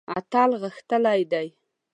اتل غښتلی دی.